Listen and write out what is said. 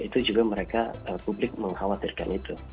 itu juga mereka publik mengkhawatirkan itu